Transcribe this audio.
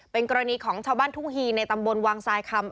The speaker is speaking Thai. เป็นกรณีของชาวบ้านทุ่งฮีในตำบลวังทรายคำ